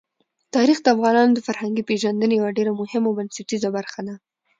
تاریخ د افغانانو د فرهنګي پیژندنې یوه ډېره مهمه او بنسټیزه برخه ده.